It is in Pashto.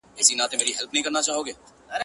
دي مړ سي، زموږ پر زړونو مالگې سيندي,,